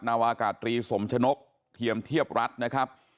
นาวากาตรีสมชนกเพียมเทียบรัฐนะครับ